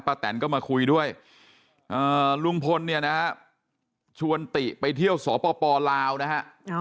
แตนก็มาคุยด้วยลุงพลเนี่ยนะฮะชวนติไปเที่ยวสปลาวนะฮะ